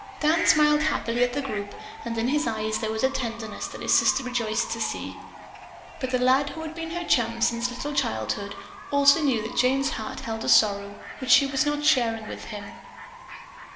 Dan smiled happily at the group and in his eyes there was a tenderness that his sister rejoiced to see. But the lad who had been her chum since little childhood also knew that Jane's heart held a sorrow which she was not sharing with him.